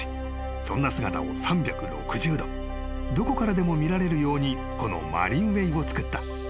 ［そんな姿を３６０度どこからでも見られるようにこのマリンウェイを造った］